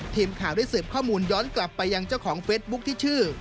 ทีมข่าวได้สืบข้อมูลย้อนกลับไปยังเจ้าของเฟสบุ๊คที่ชื่อ